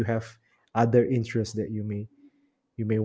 anda memiliki keinginan lain yang